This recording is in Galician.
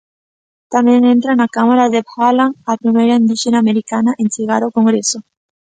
Tamén entra na Cámara Deeb Haaland, a primeira indíxena americana en chegar ao Congreso.